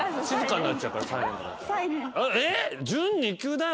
えっ！？